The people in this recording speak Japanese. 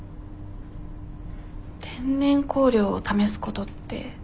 天然香料を試すことって？